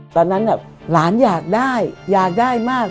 ตอนนั้นหลานอยากได้อยากได้มาก